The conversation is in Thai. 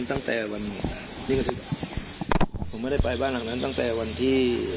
ถ้าทำงานไง